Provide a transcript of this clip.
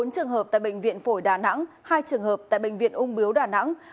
bốn trường hợp tại bệnh viện phổi đà nẵng hai trường hợp tại bệnh viện ung biếu đà nẵng